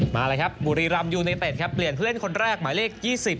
มาเลยครับบุรีรำยูไนเต็ดครับเปลี่ยนผู้เล่นคนแรกหมายเลข๒๐